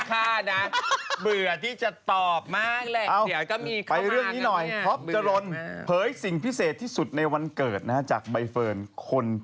กระเทยเก่งกว่าเออแสดงความเป็นเจ้าข้าว